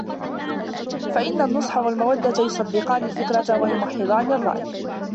فَإِنَّ النُّصْحَ وَالْمَوَدَّةَ يُصَدِّقَانِ الْفِكْرَةَ وَيُمَحِّضَانِ الرَّأْيَ